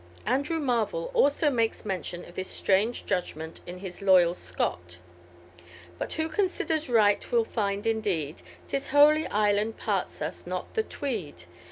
" Andrew Marvel also makes mention of this strange judgment in his Loyal Scot: "But who considers right will find, indeed, 'Tis Holy Island parts us, not the Tweed.